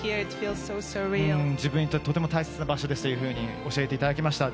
自分にとってとても大切な場所ですと教えていただきました。